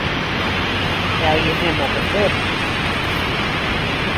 Belje him op it wurk.